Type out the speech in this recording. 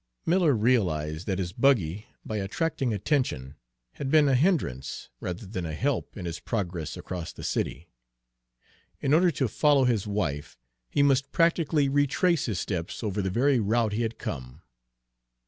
Miller realized that his buggy, by attracting attention, had been a hindrance rather than a help in his progress across the city. In order to follow his wife, he must practically retrace his steps over the very route he had come.